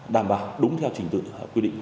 đảm bảo đúng theo trình tự quy định